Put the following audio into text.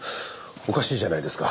おかしいじゃないですか。